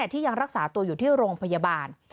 ที่ยังรักษาตัวอยู่ที่โรงพยาบาล